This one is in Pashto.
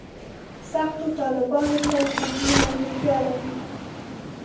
سختو طالبانو سره فکري ملګرتیا لري.